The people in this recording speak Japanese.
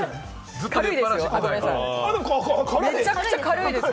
軽いですよ！